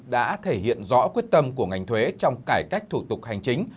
đã thể hiện rõ quyết tâm của ngành thuế trong cải cách thủ tục hành chính